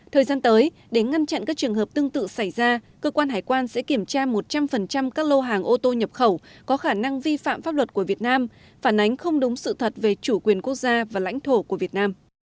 thời gian tới để ngăn chặn các trường hợp tương tự xảy ra cơ quan hải quan sẽ kiểm tra một trăm linh các lô hàng ô tô nhập khẩu có khả năng vi phạm pháp luật của việt nam phản ánh không đúng sự thật về chủ quyền quốc gia và lãnh thổ của việt nam